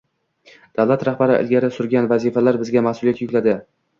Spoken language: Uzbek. Davlat rahbari ilgari surgan vazifalar bizga mas’uliyat yuklayding